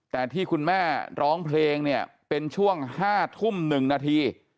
แต่ที่คุณแม่ร้องเพลงเนี่ยเป็นช่วง๕ทุ่ม๑นาที